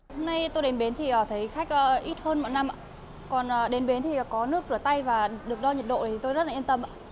hôm nay tôi đến bến thì thấy khách ít hơn mỗi năm còn đến bến thì có nước rửa tay và được đo nhiệt độ thì tôi rất là yên tâm ạ